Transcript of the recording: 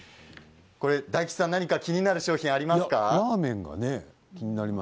大吉さん何か気になる商品ありますか？